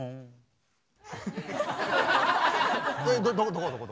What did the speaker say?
どこ？